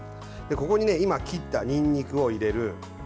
ここに今切ったにんにくを入れる。